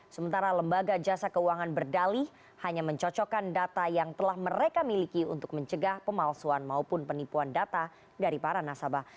sementara lembaga jasa keuangan berdalih hanya mencocokkan data yang telah mereka miliki untuk mencegah pemalsuan maupun penipuan data dari para nasabah